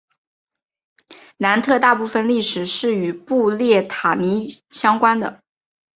南特大部分历史是与布列塔尼相关的。